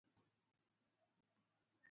ګنډ افغاني کالي ګران دي